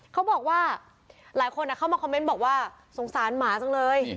เขาบอกว่าหลายคนเข้ามาคอมเมนต์บอกว่าสงสารหมาจังเลย